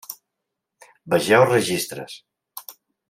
Vegeu registres.